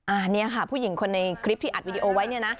อันนี้ค่ะผู้หญิงคนในคลิปที่อัดวิดีโอไว้เนี่ยนะ